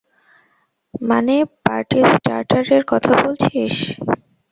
মানে, পার্টি স্টার্টারের কথা বলছিস?